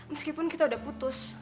meskipun kita udah putus